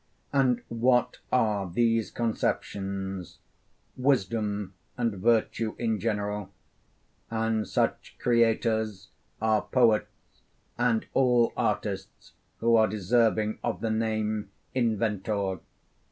And what are these conceptions? wisdom and virtue in general. And such creators are poets and all artists who are deserving of the name inventor.